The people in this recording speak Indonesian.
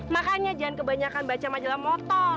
makanya jangan kebanyakan baca majalah motor